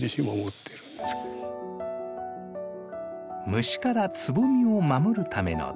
虫からつぼみを守るための玉。